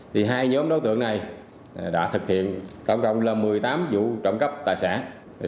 thì hai nhóm đối tượng này đã thực hiện tổng cộng là một mươi tám vụ trộm cắp tài sản